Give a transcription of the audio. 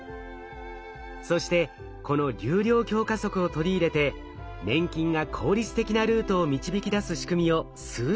そしてこの流量強化則を取り入れて粘菌が効率的なルートを導き出す仕組みを数式で表しました。